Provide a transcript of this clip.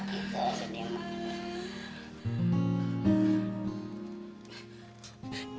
gita diam mak